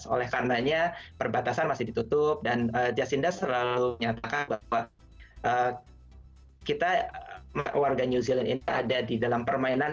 oleh karenanya perbatasan masih ditutup dan jasinda selalu nyatakan bahwa kita warga new zealand ini ada di dalam permainan